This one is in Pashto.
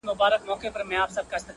o له هنداري څه بېــخاره دى لوېـــدلى؛